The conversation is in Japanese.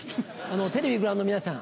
テレビご覧の皆さん